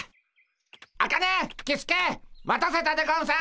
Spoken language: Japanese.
アカネキスケ待たせたでゴンス。